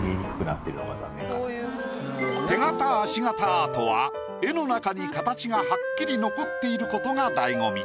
アートは絵の中に形がはっきり残っていることが醍醐味。